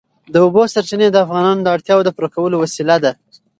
د اوبو سرچینې د افغانانو د اړتیاوو د پوره کولو وسیله ده.